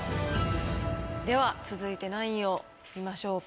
では続いて何位を見ましょうか？